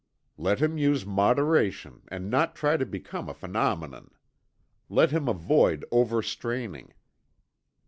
Let him use moderation and not try to become a phenomenon. Let him avoid overstraining.